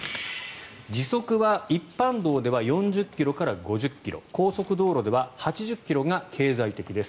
時速は一般道では４０ｋｍから５０ｋｍ高速道路では８０ｋｍが経済的です。